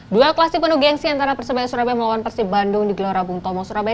duel klasi penuh gengsi antara persebaya surabaya melawan persib bandung di gelora bung tomo surabaya